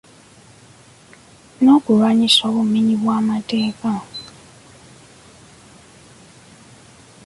N'okulwanyisa obumenyi bw'amateeka.